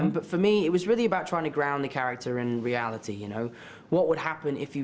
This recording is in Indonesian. dan apa yang saya pikir akan terjadi adalah anda akan memiliki waktu hidupnya